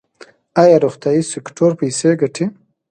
آیا روغتیايي سکتور پیسې ګټي؟